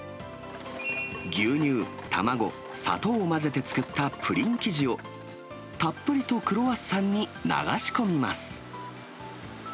牛乳、卵、砂糖を混ぜて作ったプリン生地をたっぷりとクロワッサンに流し込みます。